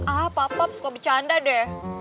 ah pak pap suka bercanda deh